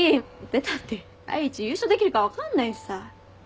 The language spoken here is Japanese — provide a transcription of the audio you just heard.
出たって第一優勝できるか分かんないしさ。